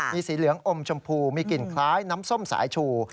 มีสีเหลืองอมชมพูมีกลิ่นคล้ายน้ำส้มสายชู